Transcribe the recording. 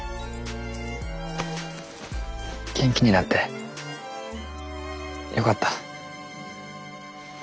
元気になってよかった。